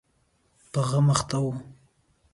په غم اخته و.